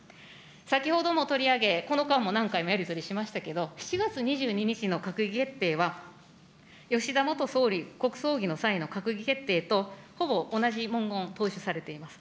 先ほども取り上げ、この間も何回もやり取りしましたけれども、７月２２日の閣議決定は、吉田元総理、国葬儀の際の閣議決定と、ほぼ同じ文言、踏襲されています。